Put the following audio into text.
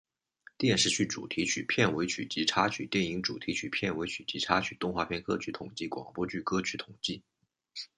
电视剧主题曲片尾曲及插曲电影主题曲片尾曲及插曲动画片歌曲统计广播剧歌曲统计